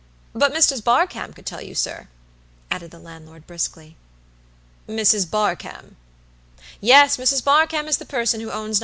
But Mrs. Barkamb could tell you, sir," added the landlord, briskly. "Mrs. Barkamb." "Yes, Mrs. Barkamb is the person who owns No.